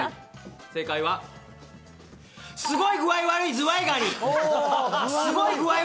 正解は、すごい具合悪いズワイガニ。